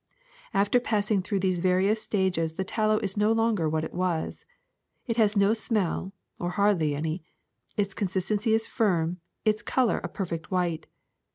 After passing through these various stages the tallow is no longer what it was. It has no smell, or hardly any; its consistency is firm, its color a perfect white.